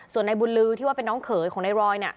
ส่วนในบุญลือที่ว่าเป็นน้องเขยของนายรอย